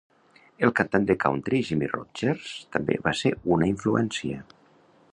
El cantant de country Jimmie Rodgers també va ser una influència.